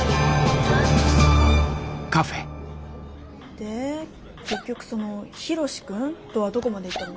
で結局そのヒロシ君とはどこまでいったの？